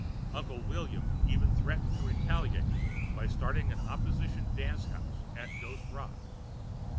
Uncle William even threatened to retaliate by starting an opposition dance house at Ghost Rock.